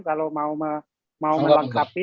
kalau mau melengkapi